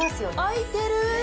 開いてる！